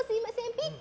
ピッ！